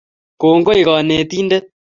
Kongoi, kanetindet